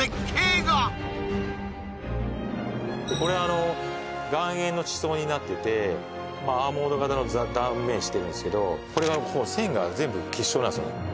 これはあの岩塩の地層になっててアーモンド型の断面してるんですけどこれがこの線が全部結晶なんですよね